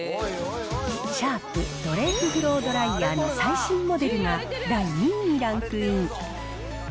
シャープ、ドレープフロードライヤーの最新モデルが第２位にランクイン。